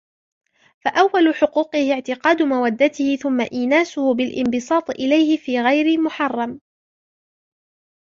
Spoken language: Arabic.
فَأَوَّلُ حُقُوقِهِ اعْتِقَادُ مَوَدَّتِهِ ثُمَّ إينَاسُهُ بِالِانْبِسَاطِ إلَيْهِ فِي غَيْرِ مُحَرَّمٍ